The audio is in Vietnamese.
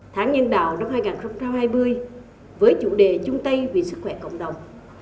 tháng nhân đạo năm hai nghìn hai mươi với chủ đề trung tây vì sức khỏe cộng đồng